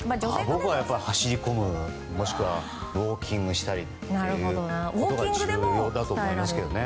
僕は走りこむ、もしくはウォーキングしたりが重要だと思いますけどね。